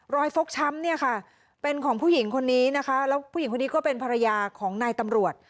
ฟกช้ำเนี่ยค่ะเป็นของผู้หญิงคนนี้นะคะแล้วผู้หญิงคนนี้ก็เป็นภรรยาของนายตำรวจ